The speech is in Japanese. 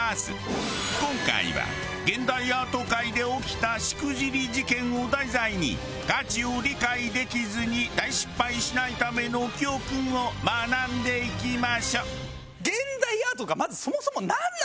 今回は現代アート界で起きたしくじり事件を題材に価値を理解できずに大失敗しないための教訓を学んでいきましょう。